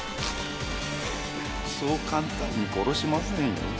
そう簡単に殺しませんよ。